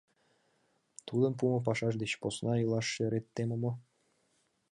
— Тудын пуымо пашаж деч посна илаш шерет теме мо?